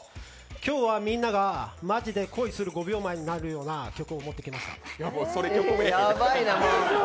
今日はみんなが「ＭａｊｉでＫｏｉする５秒前」になるような曲を持ってきました。